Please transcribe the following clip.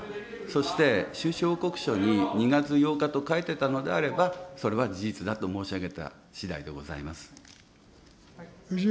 そして、収支報告書に２月８日と書いていたのであれば、それは事実だと申し上げたしだいでございます。